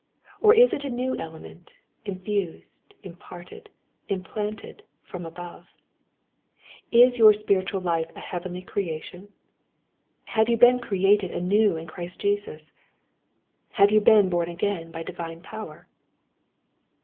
Or is it a new element, infused, imparted, implanted from above ? Is your spiritual life a heavenly creatt »? Have you been created anew in Christ Jesus? Have you been born again by divine power?